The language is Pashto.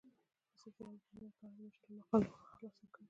ازادي راډیو د امنیت په اړه د مجلو مقالو خلاصه کړې.